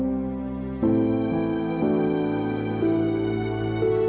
kamu masih berani datang ke sini belum berapa ngapok